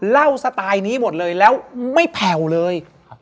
สไตล์นี้หมดเลยแล้วไม่แผ่วเลย